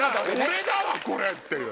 俺だわこれ！っていう。